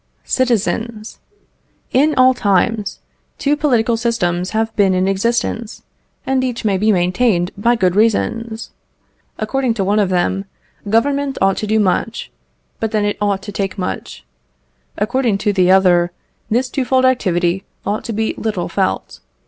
Citizens! In all times, two political systems have been in existence, and each may be maintained by good reasons. According to one of them, Government ought to do much, but then it ought to take much. According to the other, this twofold activity ought to be little felt.